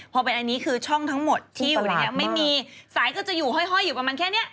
พอเป็นอันนี้คือช่องทั้งหมดที่อยู่ในนี้ไม่มีสายก็จะอยู่ห้อยอยู่กับมันแค่นี้